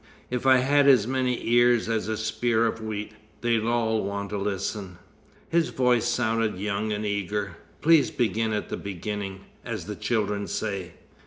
"If I had as many ears as a spear of wheat, they'd all want to listen." His voice sounded young and eager. "Please begin at the beginning, as the children say."